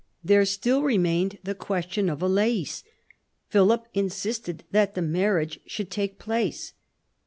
There still remained the question of Alais. Philip insisted that the marriage should take place.